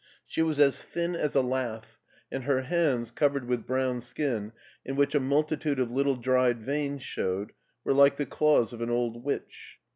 She was as thin as a lath, and her hands, covered with brown skin in which a multitude of little dried veins showed, were like the claws of an old witch.